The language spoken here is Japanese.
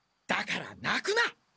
だからなくな！